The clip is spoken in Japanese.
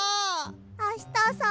あしたさん